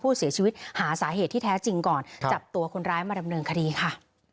เสียชีวิตหาสาเหตุที่แท้จริงก่อนจับตัวคนร้ายมาดำเนินคดีค่ะ